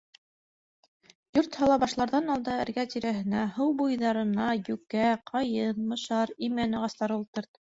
Йорт һала башларҙан алда эргә-тирәһенә, һыу буйҙарына йүкә, ҡайын, мышар, имән ағастары ултырт.